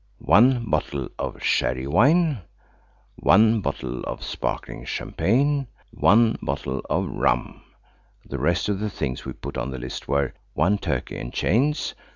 1 bottle of sherry wine. 1 bottle of sparkling champagne. 1 bottle of rum. The rest of the things we put on the list were– 1 turkey and chains.